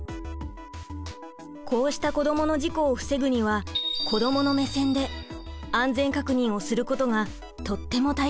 こうした子どもの事故を防ぐには子どもの目線で安全確認をすることがとっても大切なんです！